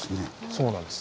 そうなんです。